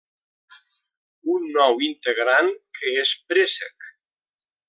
Un nou integrant, que és Préssec.